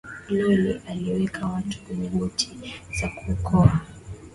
molly aliweka watu kwenye boti za kuokoa